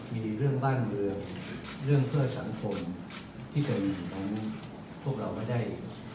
มีเรื่องบ้านเมืองเรื่องเพื่อสังคมที่จะมีของพวกเราไม่ได้